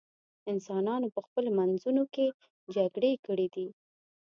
انسانانو په خپلو منځونو کې جګړې کړې دي.